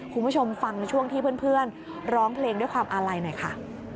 คุณผู้ชมฟังช่วงที่เพื่อนร้องเพลงด้วยความอาลัยหน่อยค่ะ